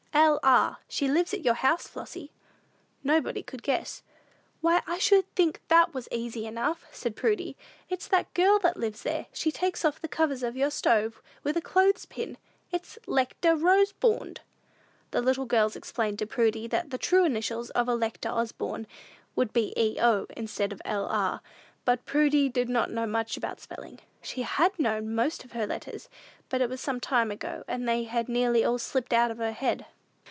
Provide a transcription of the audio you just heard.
"L.R. She lives at your house, Flossy." Nobody could guess. "Why, I should think that was easy enough," said Prudy: "it's that girl that lives there; she takes off the covers of your stove with a clothes pin: it's 'Lecta Rosbornd.'" The little girls explained to Prudy that the true initials of Electa Osborne would be E.O., instead of L.R. But Prudy did not know much about spelling. She had known most of her letters; but it was some time ago, and they had nearly all slipped out of her head.